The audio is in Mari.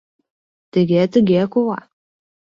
Тыге, тыге, кува!